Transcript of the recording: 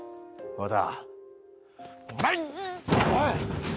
和田。